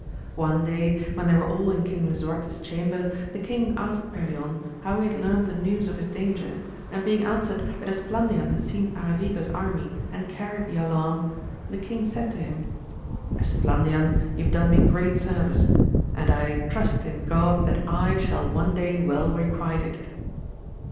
One day when they were all in King Lisuarte's chamber, the king asked Perion how he had learnt the news of his danger, and being answered that Esplandian had seen Aravigo's army and carried the alarm, the king said to him, Esplandian, you have done me great service, and I trust in Grod that I shall one day well requite it